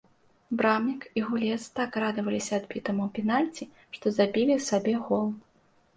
Брамнік і гулец так радаваліся адбітаму пенальці, што забілі сабе гол.